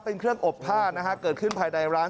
เป็นเครื่องอบผ้านะฮะเกิดขึ้นภายในร้าน